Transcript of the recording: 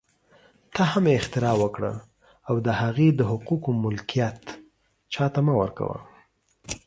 ته هم اختراع وکړه او د هغې د حقوقو ملکیت چا ته مه ورکوه